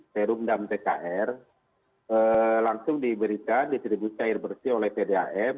perumdam tkr langsung diberikan distribusi air bersih oleh pdam